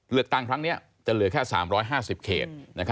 เลือกตั้งครั้งนี้จะเหลือแค่๓๕๐เขต